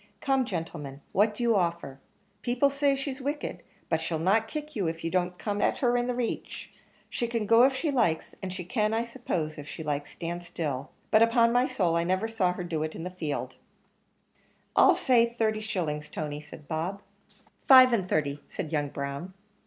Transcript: "Come, gentlemen, what do you offer? people say she's wicked, but she'll not kick you if you don't come in her reach. She can go if she likes, and she can, I suppose, if she likes, stand still; but upon my soul, I never saw her to do so in the field." "I'll say thirty shillings, Tony," said Bob. "Five and thirty," said young Brown.